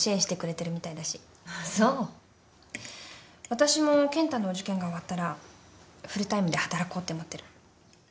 わたしも健太のお受験が終わったらフルタイムで働こうって思ってる。